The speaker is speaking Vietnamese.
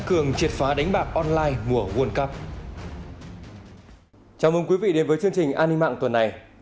chương trình an ninh mạng tuần này